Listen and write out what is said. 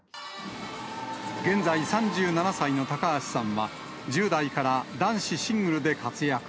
現在３７歳の高橋さんは１０代から男子シングルで活躍。